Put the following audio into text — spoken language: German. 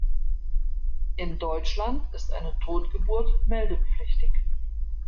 In Deutschland ist eine Totgeburt meldepflichtig.